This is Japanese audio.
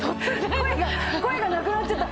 声が声がなくなっちゃった。